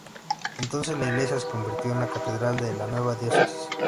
Entonces la iglesia se convirtió en la catedral de la nueva diócesis.